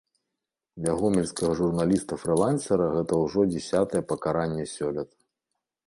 Для гомельскага журналіста-фрылансера гэта ўжо дзясятае пакаранне сёлета.